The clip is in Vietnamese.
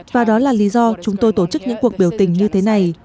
và đó là lý do chúng tôi tổ chức những cuộc biểu tình như thế này